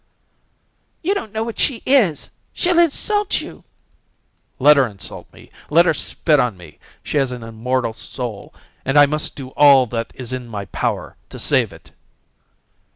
"You don't know what she is. She'll insult you." "Let her insult me. Let her spit on me. She has an immortal soul, and I must do all that is in my power to save it."